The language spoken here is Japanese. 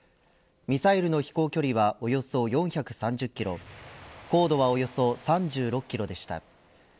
ミサイルの飛行距離はおよそ４３０キロ高度はおよそ３６キロでした。